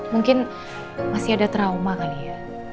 mungkin masih ada trauma kali ya